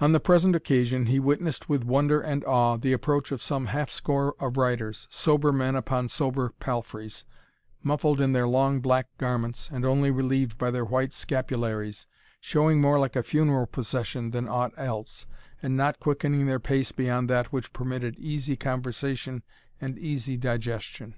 On the present occasion, he witnessed with wonder and awe the approach of some half score of riders, sober men upon sober palfreys, muffled in their long black garments, and only relieved by their white scapularies, showing more like a funeral procession than aught else, and not quickening their pace beyond that which permitted easy conversation and easy digestion.